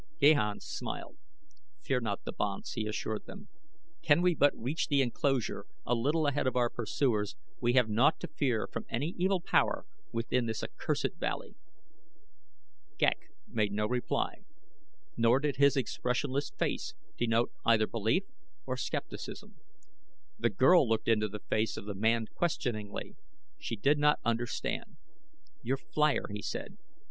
Gahan smiled. "Fear not the banths," he assured them. "Can we but reach the enclosure a little ahead of our pursuers we have naught to fear from any evil power within this accursed valley." Ghek made no reply, nor did his expressionless face denote either belief or skepticism. The girl looked into the face of the man questioningly. She did not understand. "Your flier," he said.